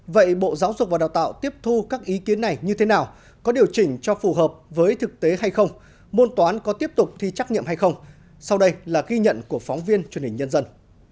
vậy bộ giáo dục và đào tạo tiếp thu các ý kiến này như thế nào có điều chỉnh cho phù hợp với thực tế hay không môn toán có tiếp tục thi trắc nghiệm hay không sau đây là ghi nhận của phóng viên truyền hình nhân dân